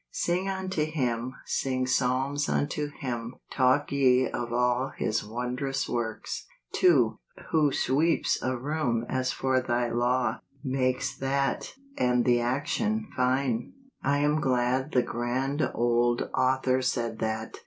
" Sing unto him , sing psalms unto him: talk ye of all his wondrous works.' 1 2. Who sweeps a room as for thy law, Makes that, and the action, fine." I am glad the grand old author said that.